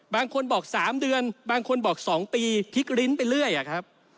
บางคนบอก๓เดือนบางคนบอก๒ปีพลิกลิ้นไปเรื่อยอะครับ